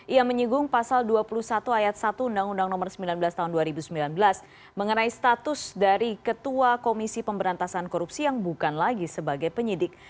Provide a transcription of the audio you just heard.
ia menyinggung pasal dua puluh satu ayat satu undang undang nomor sembilan belas tahun dua ribu sembilan belas mengenai status dari ketua komisi pemberantasan korupsi yang bukan lagi sebagai penyidik